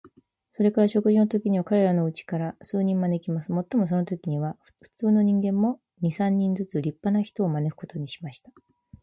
それから食事のときには、彼等のうちから数人招きます。もっともそのときには、普通の人間も、二三人ずつ立派な人を招くことにします。